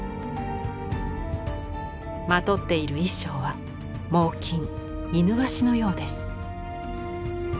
まとっている衣装は猛きんイヌワシのようです。